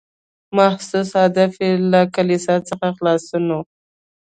محسوس هدف یې له کلیسا څخه خلاصون و.